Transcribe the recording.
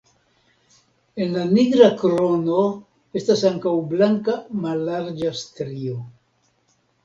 En la nigra krono estas ankaŭ blanka mallarĝa strio.